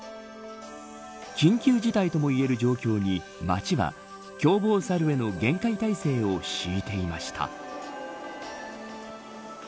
緊急事態ともいえる状況に町は凶暴サルへの厳戒態勢を敷いていました。